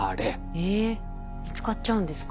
えっ見つかっちゃうんですか？